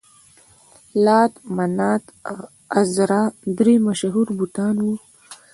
لات، منات، عزا درې مشهور بتان وو.